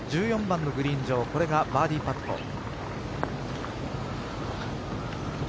１４番のグリーン上これがバーディーパット。